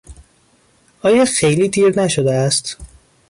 آیا خیلی دیر نشده است؟